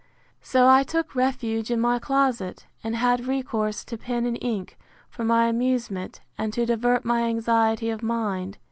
So I took refuge in my closet, and had recourse to pen and ink, for my amusement, and to divert my anxiety of mind.